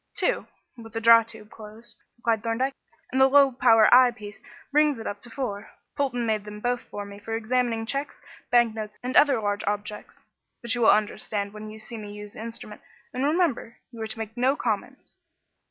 "Two, with the draw tube closed," replied Thorndyke, "and the low power eye piece brings it up to four. Polton made them both for me for examining cheques, bank notes and other large objects. But you will understand when you see me use the instrument, and remember, you are to make no comments."